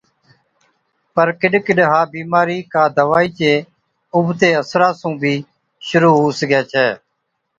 پَر ڪِڏ ڪِڏ ها بِيمارِي ڪا دَوائِي چي اُبتي اثرا سُون بِي شرُوع هُو سِگھَي ڇَي۔